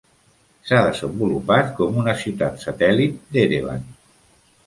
S'ha desenvolupat com una ciutat satèl·lit d'Erevan.